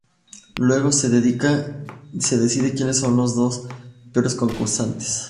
Luego, se decide quienes son las dos peores concursantes.